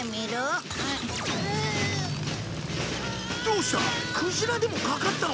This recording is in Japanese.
どうした？